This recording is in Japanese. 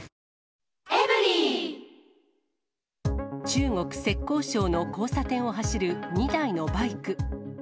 中国・浙江省の交差点を走る２台のバイク。